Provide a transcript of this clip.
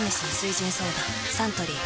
サントリー「翠」